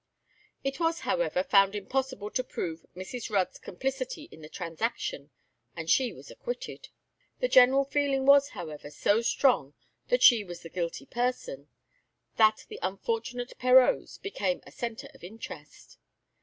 It was, however, found impossible to prove Mrs. Rudd's complicity in the transaction, and she was acquitted. The general feeling was, however, so strong that she was the guilty person, that the unfortunate Perreaus became a centre of interest.